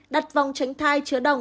đặt vòng tránh thai chữa đồng